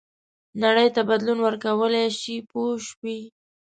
نړۍ ته بدلون ورکولای شي پوه شوې!.